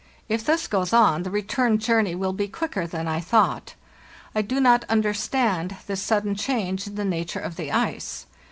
If this goes on, the return journey will be quicker than I thought. I do not understand this sudden change in the nature of the ice.